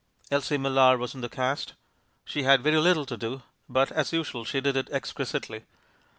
Elsie Millar was in the cast; she had very little to do, but, as usual, she did it exquisitely.